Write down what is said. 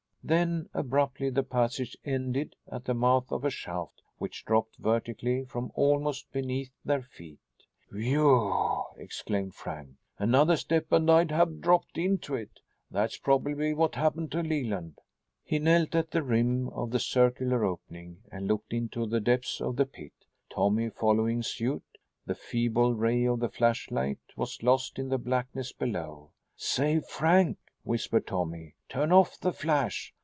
Then, abruptly, the passage ended at the mouth of a shaft, which dropped vertically from almost beneath their feet. "Whew!" exclaimed Frank. "Another step and I'd have dropped into it. That's probably what happened to Leland." He knelt at the rim of the circular opening and looked into the depths of the pit, Tommy following suit. The feeble ray of the flashlight was lost in the blackness below. "Say, Frank," whispered Tommy, "turn off the flash.